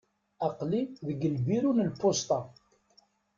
Aql-i deg lbiru n lpusṭa.